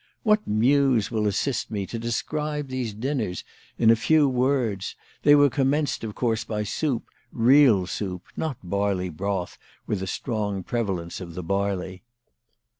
What muse will assist me to describe these dinners in a few words? They were commenced of course by soup, real soup, not barley broth with a strong prevalence of the barley.